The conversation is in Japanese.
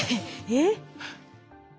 えっ。